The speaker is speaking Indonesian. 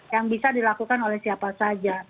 yang bisa dilakukan oleh siapa saja